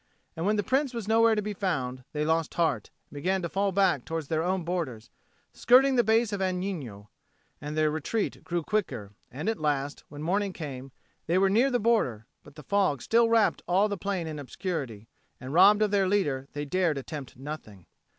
And when the Prince was nowhere to be found, they lost heart, and began to fall back towards their own borders, skirting the base of Agnino. And their retreat grew quicker; and at last, when morning came, they were near the border; but the fog still wrapped all the plain in obscurity, and, robbed of their leader, they dared attempt nothing.